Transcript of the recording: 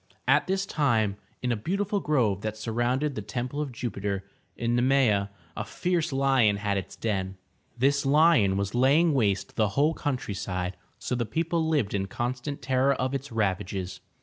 At this time in a beautiful grove that surrounded the temple of Ju'pi ter in Ne me'a, a fierce lion had its den. This lion was laying waste the whole countryside, so the people lived in constant terror of its ravages.